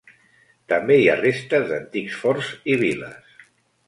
També hi ha restes d'antics forts i viles.